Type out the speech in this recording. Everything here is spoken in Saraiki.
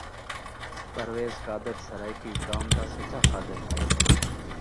پرویز قادر سرائیکی قوم دا سچا خادم ہے